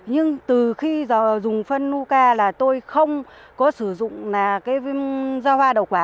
nhưng từ khi dùng phân nuka tôi không sử dụng da hoa đậu quả